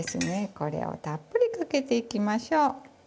これをたっぷりかけていきましょう。